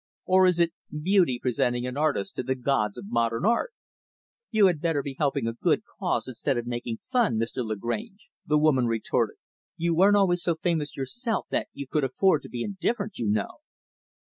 or, is it 'Beauty presenting an Artist to the Gods of Modern Art'?" "You had better be helping a good cause instead of making fun, Mr. Lagrange," the woman retorted. "You weren't always so famous yourself that you could afford to be indifferent, you know."